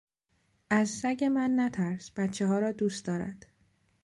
از سگ من نترس بچهها را دوست دارد.